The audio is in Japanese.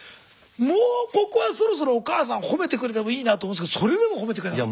もうここはそろそろお母さん褒めてくれてもいいなと思うんですけどそれでも褒めてくれなかった？